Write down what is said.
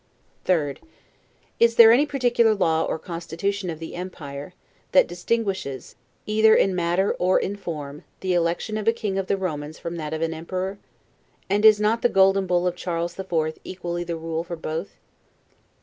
3d. Is there any particular law or constitution of the empire, that distinguishes, either in matter or in, form, the election of a King of the Romans from that of an Emperor? And is not the golden bull of Charles the Fourth equally the rule for both?